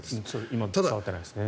今伝わっていないですね。